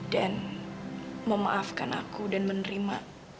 dan memaafkan aku dan menerima